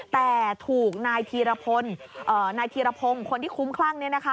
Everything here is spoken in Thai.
แต่ถูกนายธีรพงศ์คนที่คุ้มคลั่ง